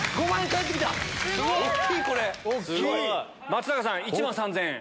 松坂さん１万３０００円。